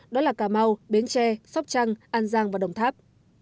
đó là cà mau biến tre sóc trăng an giang và đồng tháp